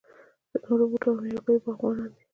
د نوو بوټو او نیالګیو باغوانان دي.